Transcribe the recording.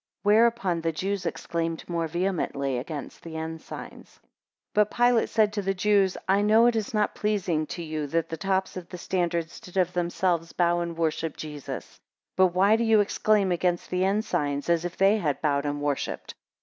21 Whereupon the Jews exclaimed more vehemently against the ensigns. 22 But Pilate said to the Jews, I know it is not pleasing to you that the tops of the standards did of themselves bow and worship Jesus; but why do ye exclaim against the ensigns, as if they had bowed and worshipped?